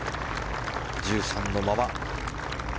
１３のまま。